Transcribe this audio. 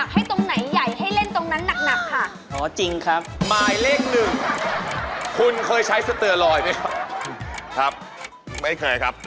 ผมไม่เชื่อหรอกครับ